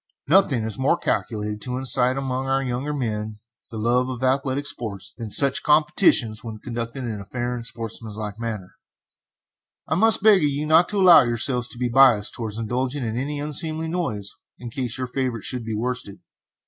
Nothing is more calculated to incite among our younger men the love for athletic sports than such competitions, when conducted in a fair and sportsmanlike manner. I must beg of you not to allow yourselves to be biased towards indulging in any unseemly noise in case your favorite should be worsted.